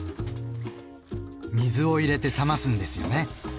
水を入れて冷ますんですよね。